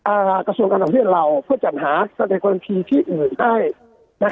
อ่ากระทรวงการสำเร็จเราเพื่อจัดหาสเต็ดควอลันทีที่อื่นให้นะคะ